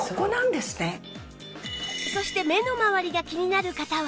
そして目のまわりが気になる方は